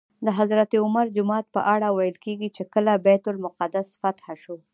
د حضرت عمر جومات په اړه ویل کېږي چې کله بیت المقدس فتح شو.